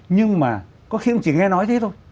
nhưng mà có khi ông chỉ nghe nói thế thôi